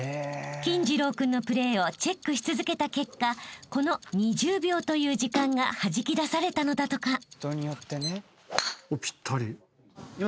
［金次郎君のプレーをチェックし続けた結果この２０秒という時間がはじき出されたのだとか］